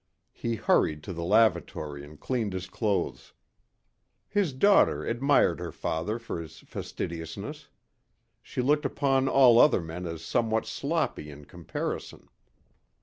He hurried to the lavatory and cleaned his clothes. His daughter admired her father for his fastidiousness. She looked upon all other men as somewhat sloppy in comparison.